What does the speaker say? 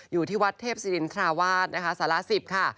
อยู่ที่วัดเทพศิรินทราวาสนะคะสาร๑๐ค่ะ